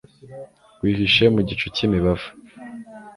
Wihishe mu gicu cyimibavu